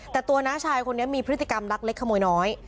แต่ตัวน้าชายคนนี้มีพฤติกรรมลักเล็กขโมยน้อย